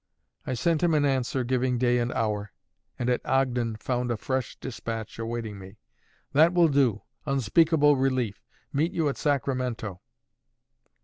I sent him an answer giving day and hour, and at Ogden found a fresh despatch awaiting me: "That will do. Unspeakable relief. Meet you at Sacramento."